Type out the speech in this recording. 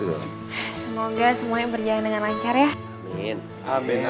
semoga semuanya berjalan dengan lancar ya